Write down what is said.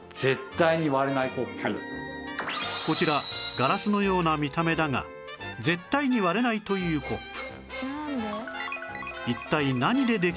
こちらガラスのような見た目だが絶対に割れないというコップ